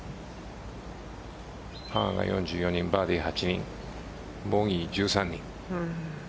パーが４４人、バーディー８人ボギー１３人。